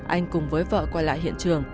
anh cùng với vợ quay lại hiện trường